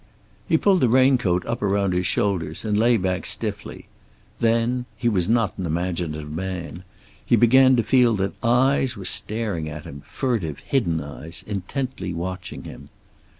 He pulled the raincoat up around his shoulders, and lay back stiffly. Then he was not an imaginative man he began to feel that eyes were staring at him, furtive, hidden eyes, intently watching him.